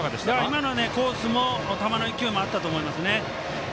今のはコース、球の勢いもあったと思いますね。